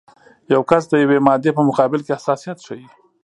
یو کس د یوې مادې په مقابل کې حساسیت ښیي.